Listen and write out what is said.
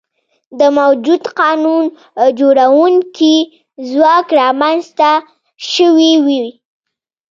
د موجوده قانون جوړوونکي ځواک رامنځته شوي وي.